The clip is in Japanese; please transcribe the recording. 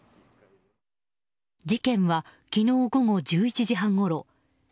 事件は昨日午後１１時半ごろ